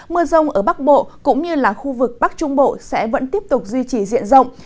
mưa rông ở bắc bộ cũng như là khu vực bắc trung bộ sẽ vẫn tiếp tục duy trì diện rộng